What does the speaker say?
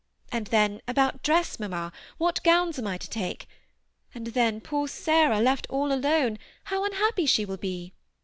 And then about dress, mamma, what gowns am I to take ? and then poor Sarah, left all alone, how unhappy she will be